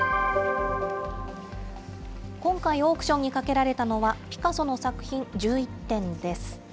今回、オークションにかけられたのはピカソの作品１１点です。